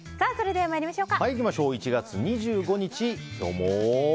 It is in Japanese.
１月２５日、今日も。